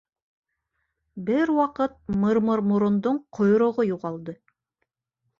Бер ваҡыт Мырмырморондоң ҡойроғо юғалды.